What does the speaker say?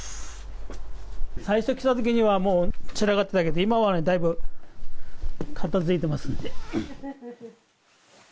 最初来たときには、散らかってたけど、今はもうだいぶ片づいてますんで。